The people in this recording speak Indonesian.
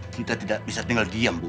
kita tidak bisa tinggal diam bu